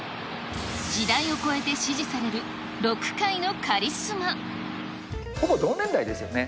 時代を越えて支持されるロック界ほぼ同年代ですよね？